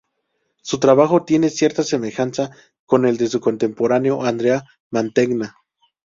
Su trabajo tiene cierta semejanza con el de su contemporáneo Andrea Mantegna.